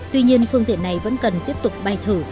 tuy nhiên phương tiện này vẫn cần tiếp tục bay thử